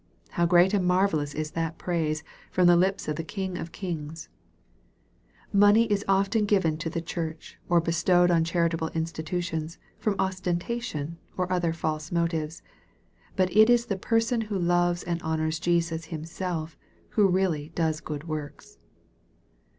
How great and marvellous is that praise, from the lips of the King of kings ! Money is often given to the church or bestowed on charitable institutions, from ostentation, or other false motives. But it is the person who loves and honors Jesus Himself, who really " does good works."